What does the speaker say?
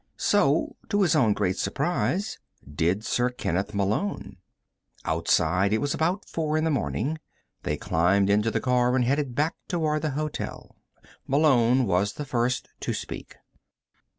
So, to his own great surprise, did Sir Kenneth Malone. Outside, it was about four in the morning. They climbed into the car and headed back toward the hotel. Malone was the first to speak.